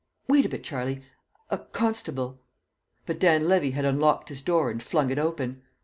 ... Wait a bit, Charlie a constable...." But Dan Levy had unlocked his door and flung it open.